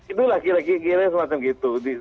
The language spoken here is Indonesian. itulah kira kira semacam gitu